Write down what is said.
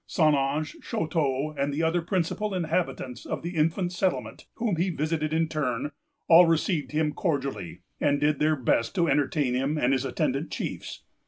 St. Ange, Chouteau, and the other principal inhabitants of the infant settlement, whom he visited in turn, all received him cordially, and did their best to entertain him and his attendant chiefs.